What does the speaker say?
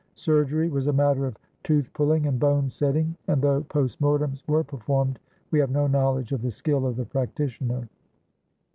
Surgery was a matter of tooth pulling and bone setting, and though post mortems were performed, we have no knowledge of the skill of the practitioner.